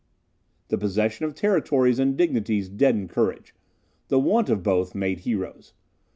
The possession of territories and dignities deadened courage; the want of both made heroes.